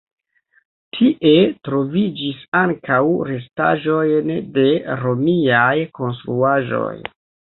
Tie troviĝis ankaŭ restaĵojn de romiaj konstruaĵoj.